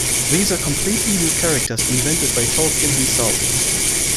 These are completely new characters invented by Tolkien himself.